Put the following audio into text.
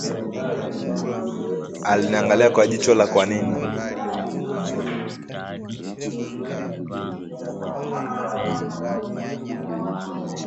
Aliniangalia kwa jicho la kwanini